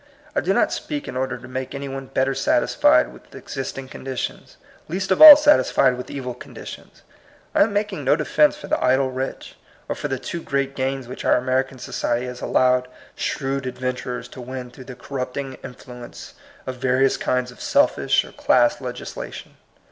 I do not speak in order to make any one better satisfied with exist ing conditions, least of all satisfied with evil conditions. I am making no defence for the idle rich, or for the too great gains which our American society has allowed shrewd adventurers to win through the corrupting influence of various kinds of selfish or class legislation.